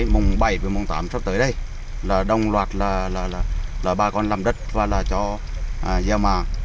mùng bảy và mùng tám sắp tới đây đồng loạt là bà con làm đất và cho gieo màng